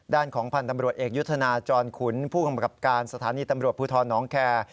ด้านของพันธ์ตำรวจเอกยุทธนาจรขุนผู้กำกับการสถานีตำรวจภูทรน้องแคร์